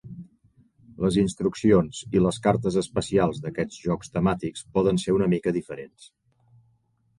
Les instruccions i les cartes especials d'aquests jocs temàtics poden ser una mica diferents.